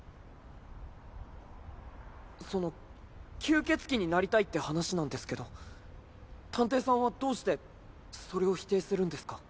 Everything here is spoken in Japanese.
その吸血鬼になりたいって話なんですけど探偵さんはどうしてそれを否定するんですか？